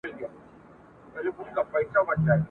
د قبر سرته په خلوت کي یو شین سترګی مرشد ..